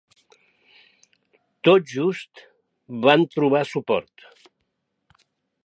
Tot just van trobar suport.